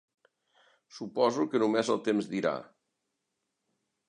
Suposo que només el temps dirà.